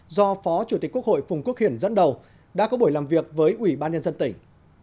do phó chủ tịch quốc hội phùng quốc hiển dẫn đầu đã có buổi làm việc với ủy ban nhân dân tỉnh